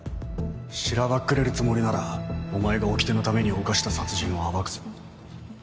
しらばっくれるつもりならお前がおきてのために犯した殺人を暴くぞ